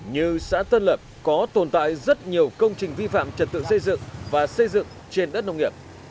như xã tân lập có tồn tại rất nhiều công trình vi phạm trật tự xây dựng và xây dựng trên đất nông nghiệp